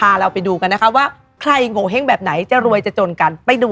เคล็ดรับเสริมดวงบายสินแสโจ้